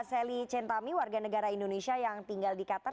sally centami warga negara indonesia yang tinggal di qatar